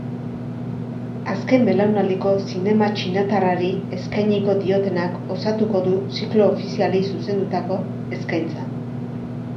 Azken belaunaldiko zinema txinatarrari eskainiko diotenak osatuko du ziklo ofizialei zuzendutako eskaintza.